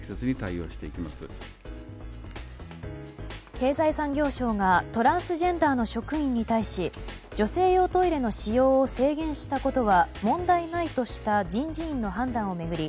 経済産業省がトランスジェンダーの職員に対し女性用トイレの使用を制限したことは問題ないとした人事院の判断を巡り